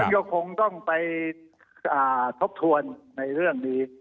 ก็คงต้องไปทบทวนในเรื่องนี้